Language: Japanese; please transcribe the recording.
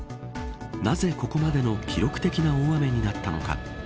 なぜここまでの記録的な大雨になったのか。